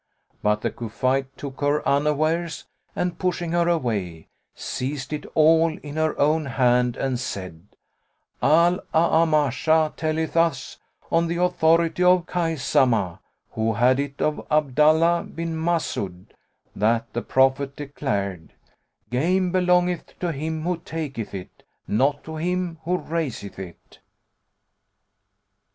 But the Cufite took her unawares and, pushing her away, seized it all in her own hand and said, "Al A'amash telleth us, on the authority of Khaysamah, who had it of Abdallah bin Mas'ud, that the Prophet declared, Game belongeth to him who taketh it, not to him who raiseth it.'"